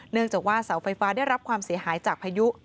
เนื่องจากว่าเสาไฟฟ้าได้รับความเสียหายจากพายุ